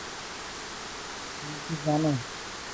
তুমি কী জানো?